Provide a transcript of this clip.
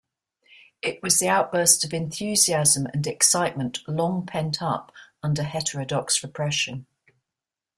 It was the outburst of enthusiasm and excitement long pent up under heterodox repression.